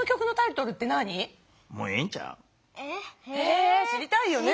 え知りたいよね。